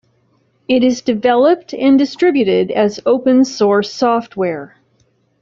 It is developed and distributed as open-source software.